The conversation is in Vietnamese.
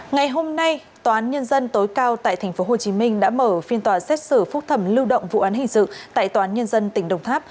ngày hôm nay tòa án nhân dân tối cao tại tp hcm đã mở phiên tòa xét xử phúc thẩm lưu động vụ án hình sự tại tòa án nhân dân tỉnh đồng tháp